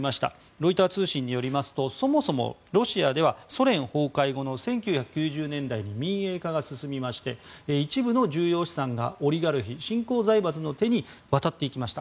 ロイター通信によりますとそもそもロシアではソ連崩壊後の１９９０年代に民営化が進みまして一部の重要資産がオリガルヒ新興財閥の手に渡っていきました。